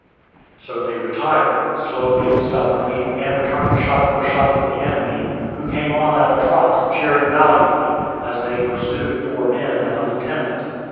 So they retired, slowly, stubbornly, and returning shot for shot with the enemy, who came on at a trot, cheering valiantly, as they pursued four men and a lieutenant.